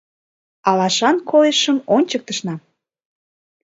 Алашан койышым ончыктышна